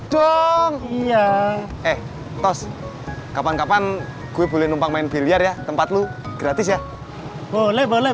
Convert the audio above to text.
dong iya eh tos kapan kapan gue boleh numpang main biliar ya tempat lo gratis ya boleh boleh